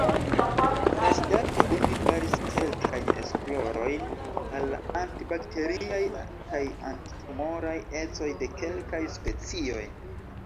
Freŝdate oni faris kelkajn esplorojn al la anti-bakteriaj kaj anti-tumoraj ecoj de kelkaj specioj.